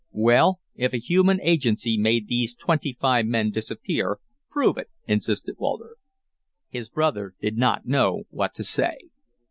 "Well, if a human agency made these twenty five men disappear, prove it!" insisted Walter. His brother did not know what to say.